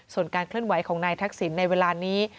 ส่วนการเคลื่อนไหวของนายทักษิณในเวลานี้